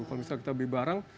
kalau misalnya kita beli barang